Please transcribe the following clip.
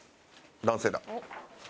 男性だ。